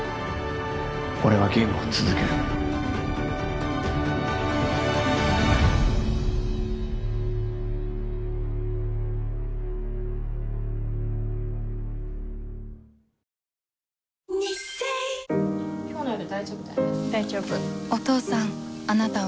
俺はゲームを続ける推せる！！